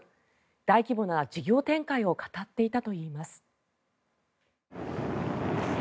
大規模な事業展開を語っていたといいます。